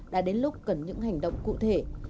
đã đến lúc cần những hành động cụ thể